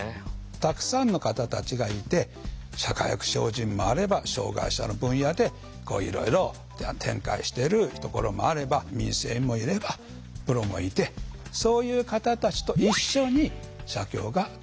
たくさんの方たちがいて社会福祉法人もあれば障害者の分野でいろいろ展開しているところもあれば民生委員もいればプロもいてそういう方たちと一緒に社協が取り組んでいく。